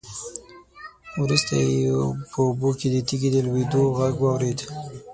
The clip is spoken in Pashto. وروسته يې په اوبو کې د تېږې د لوېدو غږ واورېد.